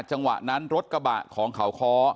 จังหวะนั้นรถกระบะของเขาค้อ